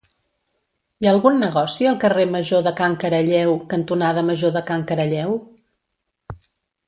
Hi ha algun negoci al carrer Major de Can Caralleu cantonada Major de Can Caralleu?